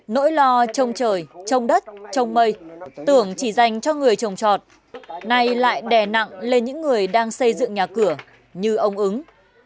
nỗi lo trông trời trông đất trông mây tưởng chỉ dành cho người trồng trọt nay lại đè nặng lên những người đang xây dựng nhà cửa như ông ứng